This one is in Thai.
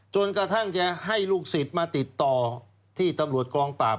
จนกระทั่งจะให้ลูกศิษย์มาติดต่อที่ตำรวจกองปราบ